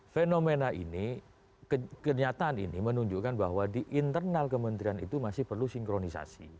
fenomena ini kenyataan ini menunjukkan bahwa di internal kementerian itu masih perlu sinkronisasi